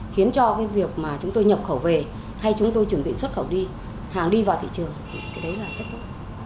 khiến cho cái việc mà chúng tôi nhập khẩu về hay chúng tôi chuẩn bị xuất khẩu đi hàng đi vào thị trường thì cái đấy là rất tốt